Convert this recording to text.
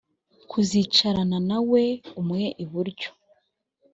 kuzicarana nawe umwe iburyo